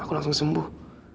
aku langsung sembuh